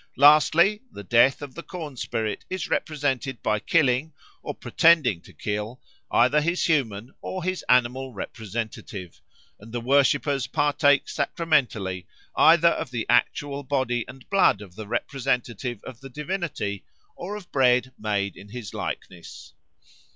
Lastly, the death of the corn spirit is represented by killing or pretending to kill either his human or his animal representative; and the worshippers partake sacramentally either of the actual body and blood of the representative of the divinity, or of bread made in his likeness.